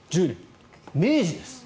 明治です。